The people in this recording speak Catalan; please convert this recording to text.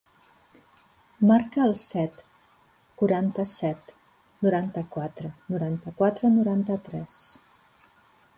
Marca el set, quaranta-set, noranta-quatre, noranta-quatre, noranta-tres.